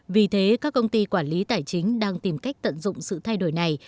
vì thế các công ty quản lý tài chính đang tìm cách tận dụng sự thay đổi này